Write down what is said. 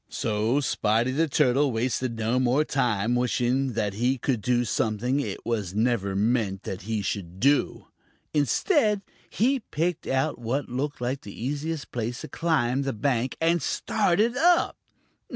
So Spotty the Turtle wasted no more time wishing that he could do something it was never meant that he should do. Instead, he picked out what looked like the easiest place to climb the bank and started up.